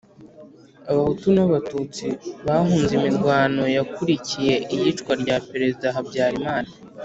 abahutu n'abatutsi bahunze imirwano yakurikiye iyicwa rya perezida habyarimana